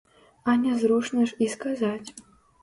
А нязручна ж і сказаць.